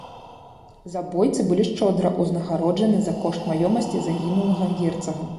Забойцы былі шчодра ўзнагароджаны за кошт маёмасці загінулага герцага.